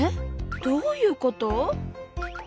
どういうこと？